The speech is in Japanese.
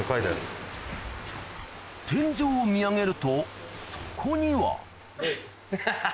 天井を見上げるとそこにはハハハハハ。